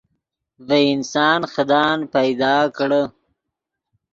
ڤے انسان خدان پیدا کڑے